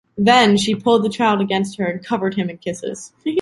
Then, she pulled the child against her and covered him in kisses.